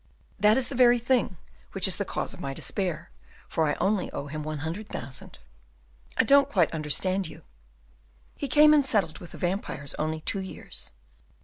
"That is the very thing which is the cause of my despair, for I only owe him one hundred thousand." "I don't quite understand you." "He came and settled with the vampires only two years.